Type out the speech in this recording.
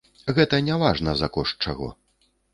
Гэта не важна, за кошт чаго.